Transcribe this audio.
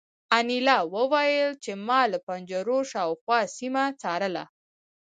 انیلا وویل چې ما له پنجرو شاوخوا سیمه څارله